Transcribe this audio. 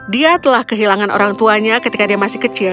dia telah kehilangan orang tuanya ketika dia masih kecil